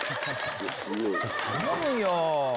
頼むよ！